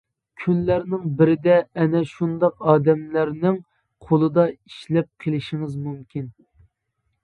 كۈنلەرنىڭ بىرىدە ئەنە شۇنداق ئادەملەرنىڭ قولىدا ئىشلەپ قېلىشىڭىز مۇمكىن.